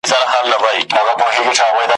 هغه وخت چي دی د مرګ په رنځ رنځور سو ,